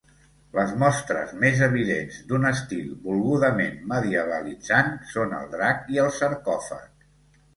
Les mostres més evidents d'un estil volgudament medievalitzant són el drac i el sarcòfag.